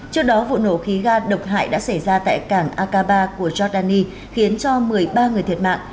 trước đó vụ nổ khí ga độc hại đã xảy ra tại cảng akaba của giordani khiến cho một mươi ba người thiệt mạng